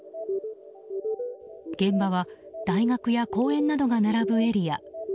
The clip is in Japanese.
現場は大学や公園などが並ぶエリア。